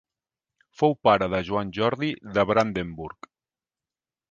Fou pare de Joan Jordi de Brandenburg.